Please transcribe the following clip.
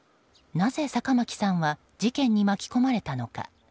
なぜ、坂巻さんは事件に巻き込まれたのか。